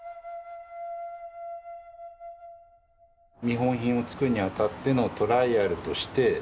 見本品を作るにあたってのトライアルとして。